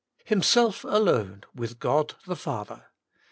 3. Himself Alone, with God the Father.